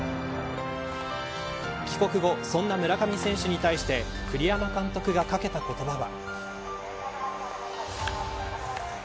帰国後、そんな村上選手に対して栗山監督がかけた言葉は。